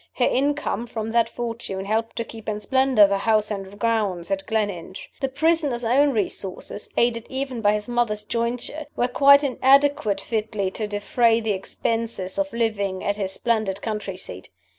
Her income from that fortune helped to keep in splendor the house and grounds at Gleninch. The prisoner's own resources (aided even by his mother's jointure) were quite inadequate fitly to defray the expenses of living at his splendid country seat.